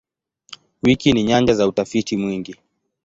Wiki ni nyanja za utafiti mwingi.